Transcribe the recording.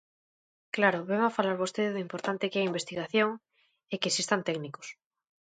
Claro, venme falar vostede do importante que é a investigación e que existan técnicos.